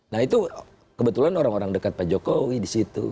nah itu kebetulan orang orang dekat pak jokowi di situ